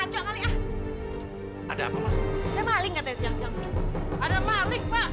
siang siang ada malik